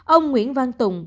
ông nguyễn văn tùng